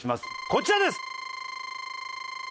こちらです！